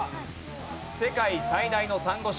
世界最大のサンゴ礁。